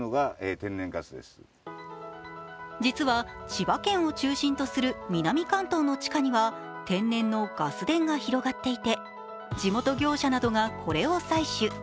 実は、千葉県を中心とする南関東の地下には天然のガス田が広がっていて地元業者などがこれを採取。